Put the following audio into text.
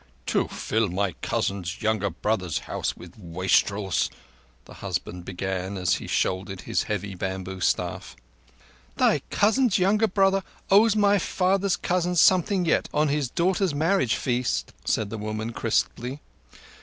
"To fill my cousin's younger brother's house with wastrels—" the husband began, as he shouldered his heavy bamboo staff. "Thy cousin's younger brother owes my father's cousin something yet on his daughter's marriage feast," said the woman crisply.